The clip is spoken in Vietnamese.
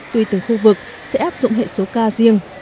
tùy từng khu vực sẽ áp dụng hệ số k riêng